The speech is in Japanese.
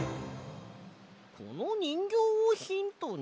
このにんぎょうをヒントに？